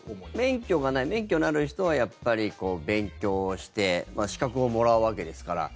免許がない免許のある人はやっぱり勉強して資格をもらうわけですから。